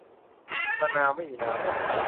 มะนาวไม่มีน้ำ